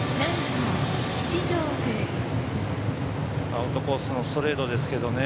アウトコースのストレートですけどね。